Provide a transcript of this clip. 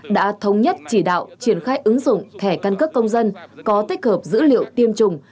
đã thống nhất chỉ đạo triển khai ứng dụng thẻ căn cước công dân có tích hợp dữ liệu tiêm chủng